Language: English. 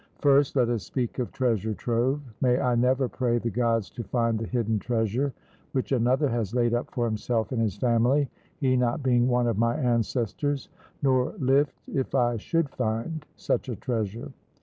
First, let us speak of treasure trove: May I never pray the Gods to find the hidden treasure, which another has laid up for himself and his family, he not being one of my ancestors, nor lift, if I should find, such a treasure.